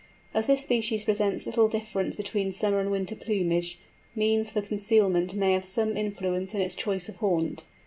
As this species presents little difference between summer and winter plumage, means for concealment may have some influence in its choice of haunt.